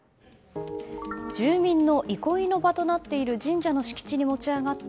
住民の憩いの場となっている神社の敷地に持ち上がった